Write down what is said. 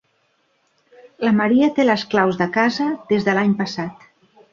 La Maria té les claus de casa des de l'any passat.